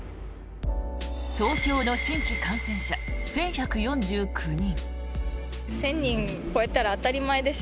東京の新規感染者１１４９人。